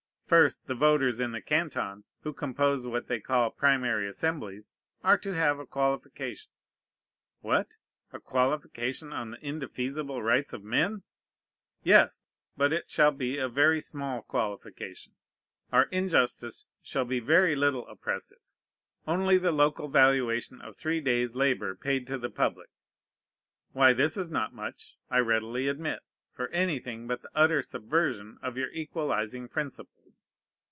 First, the voters in the Canton, who compose what they call primary assemblies, are to have a qualification. What! a qualification on the indefeasible rights of men? Yes; but it shall be a very small qualification. Our injustice shall be very little oppressive: only the local valuation of three days' labor paid to the public. Why, this is not much, I readily admit, for anything but the utter subversion of your equalizing principle.